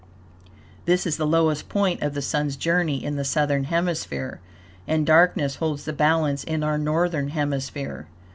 This is the lowest point of the Sun's journey in the southern hemisphere, and darkness holds the balance in our northern hemisphere.